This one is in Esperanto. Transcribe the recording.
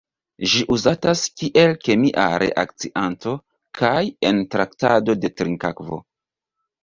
Ĝi uzatas kiel kemia reakcianto kaj en traktado de trinkakvo.